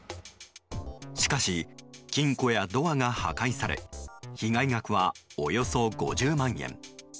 しかし、金庫やドアが破壊され被害額は、およそ５０万円。